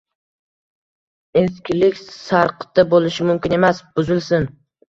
eskilik sarqiti bo‘lishi mumkin emas! Buzilsin!